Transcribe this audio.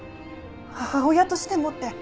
「母親としても」って。